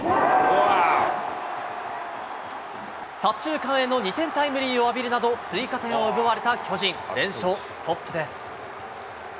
左中間への２点タイムリーを浴びるなど、追加点を奪われた巨人、連勝ストップです。